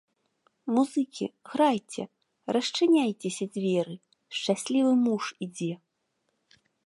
Музыкі, грайце, расчыняйцеся дзверы, шчаслівы муж ідзе.